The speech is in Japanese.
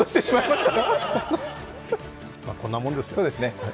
まあ、こんなもんですよ。